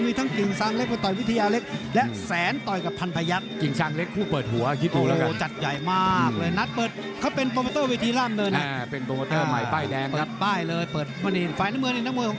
มีทั้งกิ่งสังเล็กต่อยวิทยาเล็ก